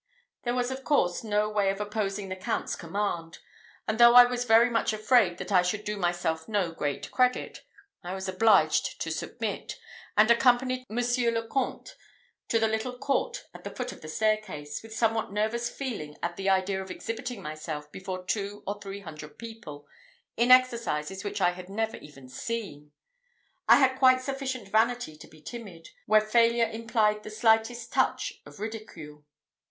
There was of course no way of opposing the Count's command; and though I was very much afraid that I should do myself no great credit, I was obliged to submit, and accompanied Monsieur le Comte to the little court at the foot of the staircase, with somewhat nervous feelings at the idea of exhibiting myself before two or three hundred people, in exercises which I had never even seen. I had quite sufficient vanity to be timid, where failure implied the slightest touch of ridicule.